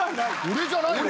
俺じゃないよ。